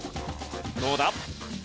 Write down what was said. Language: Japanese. どうだ？